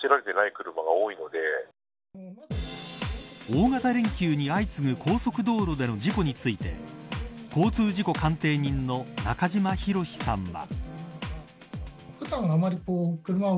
大型連休に相次ぐ高速道路での事故について交通事故鑑定人の中島博史さんは。